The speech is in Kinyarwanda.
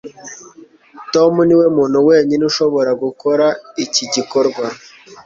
tom niwe muntu wenyine ushobora gukora iki gikorwa